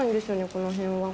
この辺は。